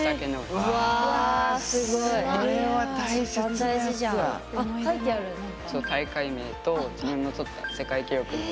大会名と自分の取った世界記録の点数。